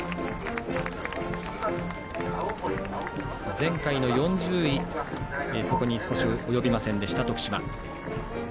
前回の４０位には少し及びませんでした、徳島。